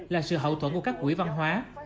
là sự hậu thuẫn của các quỹ văn hóa